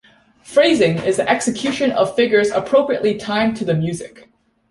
"Phrasing" is the execution of figures appropriately timed to the music.